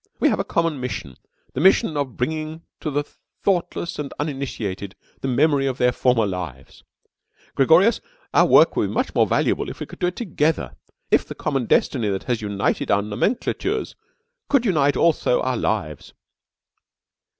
We have a common mission the mission of bringing to the thoughtless and uninitiated the memory of their former lives. Gregorius, our work would be more valuable if we could do it together, if the common destiny that has united our nomenclatures could unite also our lives."